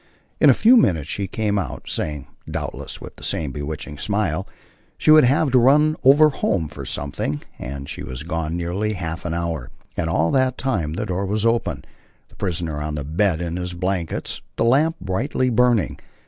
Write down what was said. In a few minutes she came out, saying, (doubtless with the same bewitching smile) she would have to run over home for something, and she was gone nearly half an hour, and all that time the door was open, the prisoner on the bed in his blankets, the lamp brightly burning.